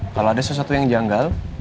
kalau ada sesuatu yang janggal